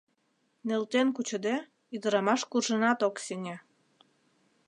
Нӧлтен кучыде, ӱдырамаш куржынат ок сеҥе.